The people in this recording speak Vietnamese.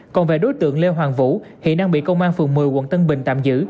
còn về đối tượng lê hoàng vũ hiện đang bị công an phường một mươi quận tân bình tạm giữ